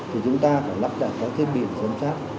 thì chúng ta phải lắp đặt các thiết bị giám sát